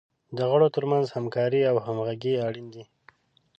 د غړو تر منځ همکاري او همغږي اړین دی.